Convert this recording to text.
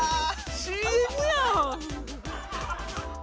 ＣＭやん！